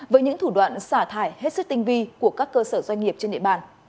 với những thủ đoạn xả thải hết sức tinh vi của các cơ sở doanh nghiệp trên địa bàn